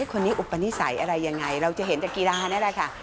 คนนี้อุปนิสัยอะไรยังไงเราจะเห็นแต่กีฬานี่แหละค่ะ